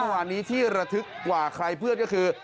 เมื่อวานนี้ที่ระทึกกว่าใครเพื่อนก็คือ